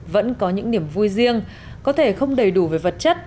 vẫn có những niềm vui riêng có thể không đầy đủ về vật chất